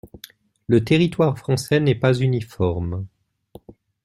Le territoire français n’est pas uniforme.